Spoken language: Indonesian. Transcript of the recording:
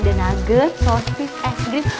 banyak ada nugget sausage ice cream